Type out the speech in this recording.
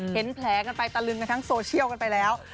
เห็นแผลกันไปตะลึงกันทั้งโซเชียลกันไปแล้ว